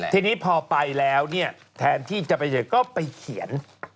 ทีนี้พอไปแล้วเนี่ยแทนที่จะไปเจอก็ไปเขียน